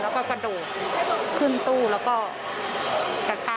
แล้วก็กระโดดขึ้นตู้แล้วก็กระชาก